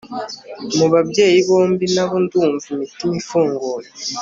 Mubabyeyi bombi nabo ndumva imitima ifunguye